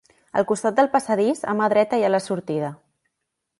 Al costat del passadís, a mà dreta hi ha la sortida.